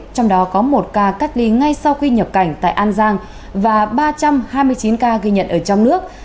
trong đó có một ca cách ly ngay sau khi nhập cảnh tại an giang và ba trăm hai mươi chín ca ghi nhận ở trong nước